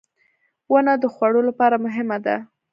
• ونه د خوړو لپاره مهمه ده.